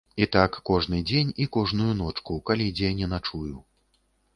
І так кожны дзень і кожную ночку, калі дзе не начую.